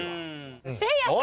せいやさん。